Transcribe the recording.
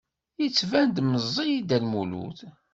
Yettban-d meẓẓi Dda Lmulud.